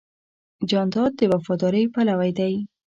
جانداد د وفادارۍ پلوی دی.